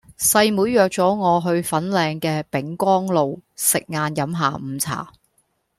細妹約左我去粉嶺嘅丙岡路食晏飲下午茶